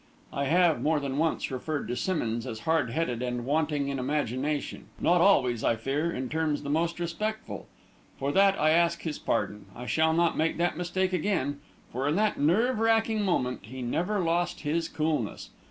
I have, more than once, referred to Simmonds as hard headed and wanting in imagination not always, I fear, in terms the most respectful. For that I ask his pardon; I shall not make that mistake again. For, in that nerve racking moment, he never lost his coolness.